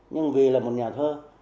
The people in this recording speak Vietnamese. nhưng vì là một nhà thơ